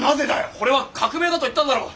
これは革命だと言っただろう。